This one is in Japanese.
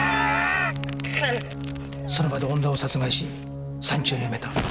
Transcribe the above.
その場で恩田を殺害し山中に埋めた。